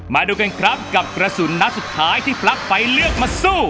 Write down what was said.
มาดูกันครับกับกระสุนนัดสุดท้ายที่ปลั๊กไฟเลือกมาสู้